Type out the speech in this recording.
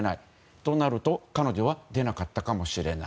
となると、彼女は出なかったかもしれない。